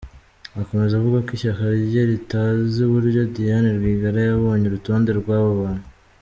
Akomeza avuga ko ishyaka rye ritazi uburyo Diane Rwigara yabonye urutonde rw’abo bantu.